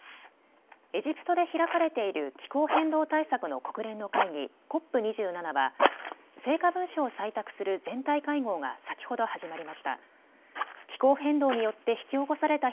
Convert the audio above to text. エジプトで開かれている気候変動対策の国連の会議、ＣＯＰ２７は成果文書を採択する全体会合が先ほど始まりました。